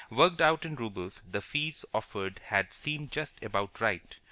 Worked out in roubles, the fees offered had seemed just about right.